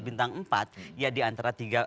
bintang empat ya diantara tiga